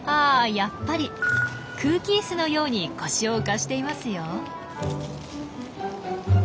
やっぱり空気イスのように腰を浮かしていますよ。